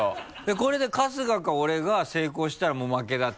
これで春日か俺が成功したらもう負けだって。